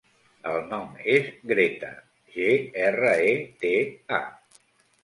El nom és Greta: ge, erra, e, te, a.